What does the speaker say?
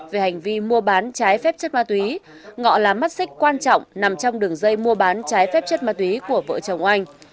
về hành vi mua bán trái phép chất ma túy ngọ là mắt xích quan trọng nằm trong đường dây mua bán trái phép chất ma túy của vợ chồng anh